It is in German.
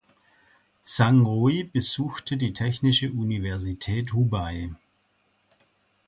Zhang Rui besuchte die Technische Universität Hubei.